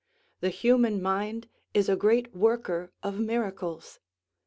The human mind is a great worker of miracles!